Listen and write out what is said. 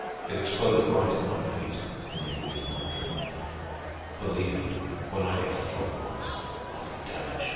It exploded right at my feet, and yet it did not kill me. Believe me, when I get to throwing bombs, I'll do damage.